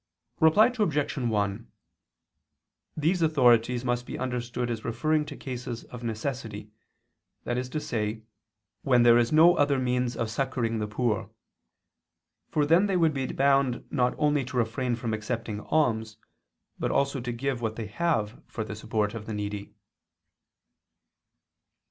Reply Obj. 1: These authorities must be understood as referring to cases of necessity, that is to say, when there is no other means of succoring the poor: for then they would be bound not only to refrain from accepting alms, but also to give what they have for the support of the needy.